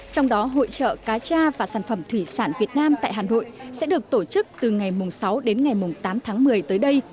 trong đó hội trợ cá cha và sản phẩm thủy sản việt nam tại hà nội sẽ được tổ chức từ ngày sáu đến ngày tám tháng một mươi tới đây